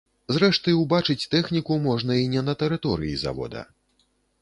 Зрэшты, убачыць тэхніку можна і не на тэрыторыі завода.